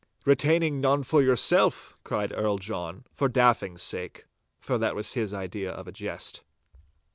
'Retaining none for yourself!' cried Earl John, for daffing's sake. For that was his idea of a jest.